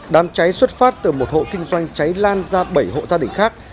đám cháy xuất phát từ một hộ kinh doanh cháy lan ra bảy hộ gia đình khác